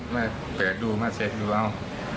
ไม่เปิดดูมาเสร็จดูเอา